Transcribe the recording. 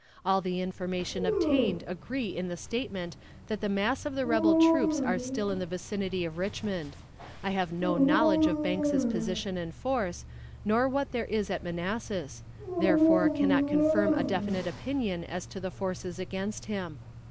All the information obtained agree in the statement that the mass of the rebel troops are still in the vicinity of Richmond. I have no knowledge of Banks' position and force, nor what there is at Manassas; therefore cannot form a definite opinion as to the forces against him.